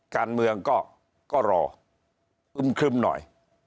การเมืองก็รออึมครึมหน่อย